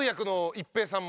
一平さんも？